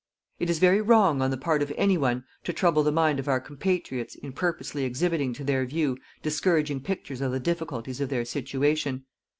It is very wrong on the part of any one to trouble the mind of our compatriots in purposely exhibiting to their view discouraging pictures of the difficulties of their situation.